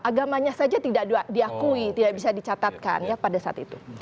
agamanya saja tidak diakui tidak bisa dicatatkan ya pada saat itu